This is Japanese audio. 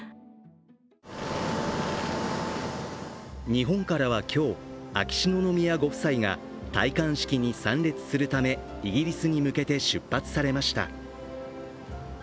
日本からは今日、秋篠宮ご夫妻が戴冠式に参列するためイギリスに向けて出発されました。